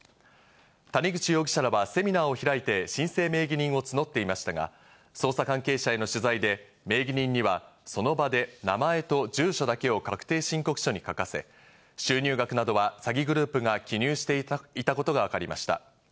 谷口容疑者らはセミナーを開いて申請名義人を募っていましたが、捜査関係者への取材で名義人にはその場で名前と住所だけを確定申告書に書かせ、収入額などは詐欺グループが記入していたことがわかりました。